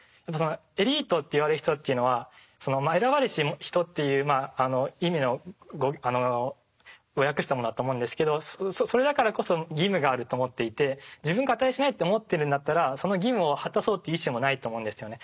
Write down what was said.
エリートって言われる人っていうのは選ばれし人という意味の訳したものだと思うんですけどそれだからこそ義務があると思っていて自分が値しないと思っているんだったらその義務を果たそうという意思もないと思うんですよね。